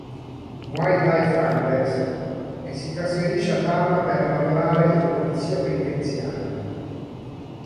Muay Thai Fighters e si trasferisce a Parma per lavorare in Polizia Penitenziaria.